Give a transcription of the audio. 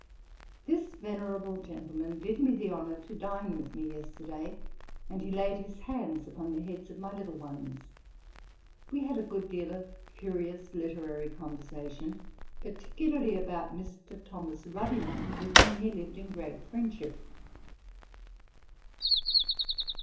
This venerable gentleman did me the honour to dine with me yesterday, and he laid his hands upon the heads of my little ones. We had a good deal of curious literary conversation, particularly about Mr. Thomas Ruddiman, with whom he lived in great friendship.